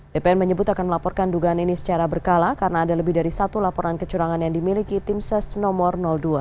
bpn menyebut akan melaporkan dugaan ini secara berkala karena ada lebih dari satu laporan kecurangan yang dimiliki tim ses nomor dua